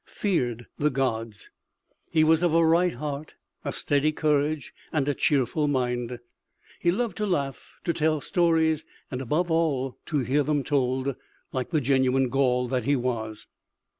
feared the gods, he was of a right heart, a steady courage and a cheerful mind. He loved to laugh, to tell stories, and above all to hear them told, like the genuine Gaul that he was.